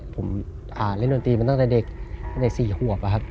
ผมเล่นดนตรีมาตั้งแต่เด็กตั้งแต่๔หัวครับครับ